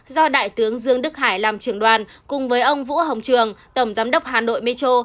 do đại tướng dương đức hải làm trưởng đoàn cùng với ông vũ hồng trường tổng giám đốc hà nội metro